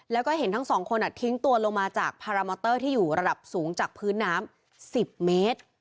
แล้วก็เห็นทั้งสองคนทิ้งตัวลงมาจากพารามอเตอร์ที่อยู่ระดับสูงจากพื้นน้ำ๑๐เมตร